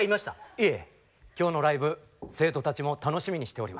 いえ今日のライブ生徒たちも楽しみにしております。